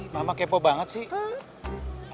mama kepo banget sih